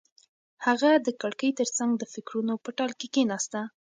هغه د کړکۍ تر څنګ د فکرونو په ټال کې کېناسته.